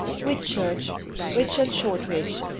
WHITCHURCH. Richard Shortridge.